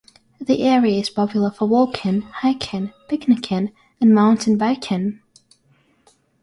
The area is popular for walking, hiking, picnicking, and mountain biking.